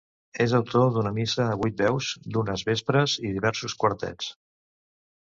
És autor d'una missa a vuit veus, d'unes vespres i diversos quartets.